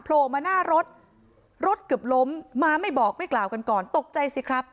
โผล่มาหน้ารถรถเกือบล้มมาไม่บอกไม่กล่าวกันก่อนตกใจสิครับ